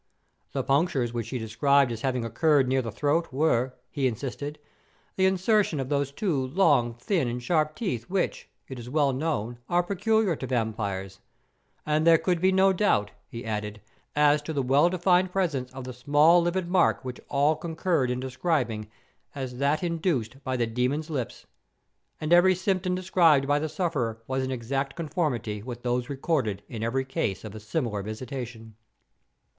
The punctures which she described as having occurred near the throat, were, he insisted, the insertion of those two long, thin, and sharp teeth which, it is well known, are peculiar to vampires; and there could be no doubt, he added, as to the well defined presence of the small livid mark which all concurred in describing as that induced by the demon's lips, and every symptom described by the sufferer was in exact conformity with those recorded in every case of a similar visitation.